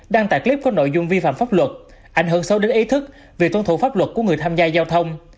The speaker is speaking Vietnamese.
đăng tải clip có nội dung vi phạm pháp luật ảnh hưởng sâu đến ý thức vì tôn thủ pháp luật của người tham gia giao thông